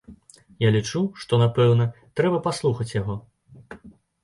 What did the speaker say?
Я лічу, што, напэўна, трэба паслухаць яго.